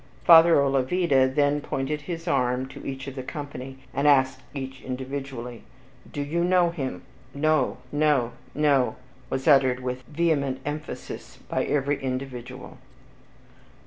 Father Olavida then pointed his arm to each of the company, and asked each individually, "Do you know him?" No! no! no!" was uttered with vehement emphasis by every individual.